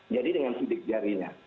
jadi dengan sidik jarinya